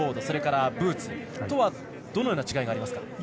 それからブーツとはどのような違いがありますか。